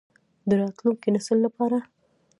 د راتلونکي نسل لپاره.